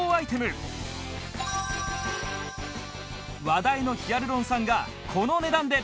話題のヒアルロン酸がこの値段で